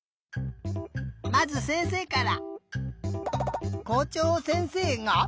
まずせんせいから。